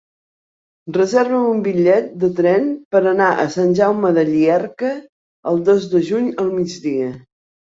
Reserva'm un bitllet de tren per anar a Sant Jaume de Llierca el dos de juny al migdia.